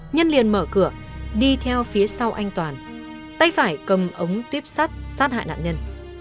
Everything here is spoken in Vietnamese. nhân liền mở cửa đi theo phía sau anh toàn tay phải cầm ống tuyếp sắt sát hại nạn nhân